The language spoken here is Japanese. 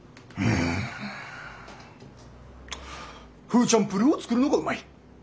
フーチャンプルーを作るのがうまい。